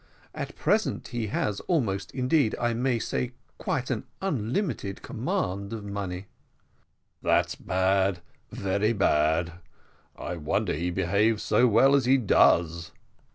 At present, he has almost, indeed I may say quite, an unlimited command of money." "That's bad, very bad. I wonder he behaves so well as he does."